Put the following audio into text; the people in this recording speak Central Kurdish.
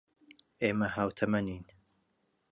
ئێمە ھاوتەمەنین.